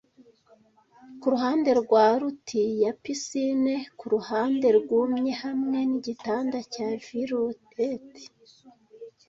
Kuruhande rwa ruti ya pisine, kuruhande rwumye hamwe nigitanda cya rivulet,